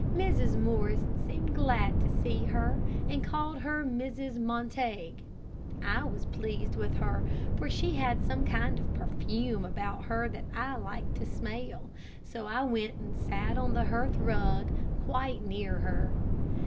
Mrs. Morris seemed glad to see her, and called her Mrs. Montague. I was pleased with her, for she had some kind of perfume about her that I liked to smell. So I went and sat on the hearth rug quite near her.